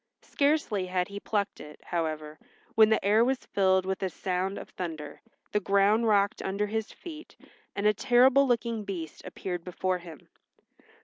Scarcely had he plucked it, however, when the air was filled with a sound of thunder, the ground rocked under his feet, and a terrible looking beast appeared before him.